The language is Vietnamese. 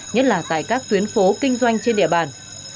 nhất là tại các tuyến phố kinh doanh trên địa bàn